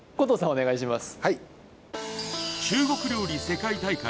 お願いします